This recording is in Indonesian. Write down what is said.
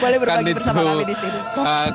boleh berbagi bersama kami di sini